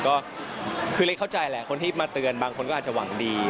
ก็คือเล็กเข้าใจแหละคนที่มาเตือนบางคนก็อาจจะหวังดี